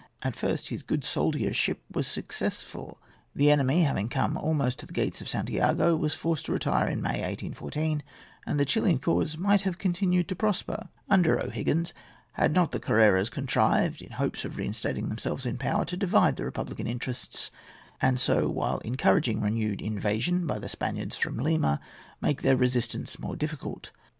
At first his good soldiership was successful. The enemy, having come almost to the gates of Santiago, was forced to retire in May, 1814; and the Chilian cause might have continued to prosper under O'Higgins, had not the Carreras contrived, in hopes of reinstating themselves in power, to divide the republican interests, and so, while encouraging renewed invasion by the Spaniards from Lima, make their resistance more difficult.